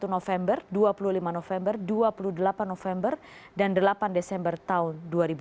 satu november dua puluh lima november dua puluh delapan november dan delapan desember tahun dua ribu dua puluh